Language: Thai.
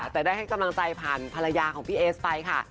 แต่ได้ให้กำลังใจผ่านภรรยาของพี่เอสไปค่ะ